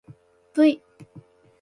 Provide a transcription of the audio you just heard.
ｖ